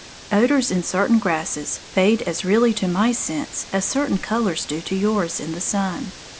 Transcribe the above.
Odours in certain grasses fade as really to my sense as certain colours do to yours in the sun.